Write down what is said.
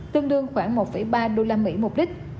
tương đương khoảng một ba usd một lít